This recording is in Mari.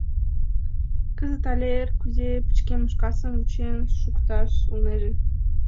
Кызыт але эр, кузе пычкемыш касым вучен шукташ улнеже.